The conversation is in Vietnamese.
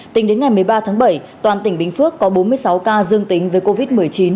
tính đến ngày một mươi ba tháng bảy toàn tỉnh bình phước có bốn mươi sáu ca dương tính với covid một mươi chín